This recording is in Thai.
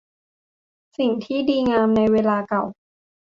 สิ่งที่ดีงามในเวลาเก่า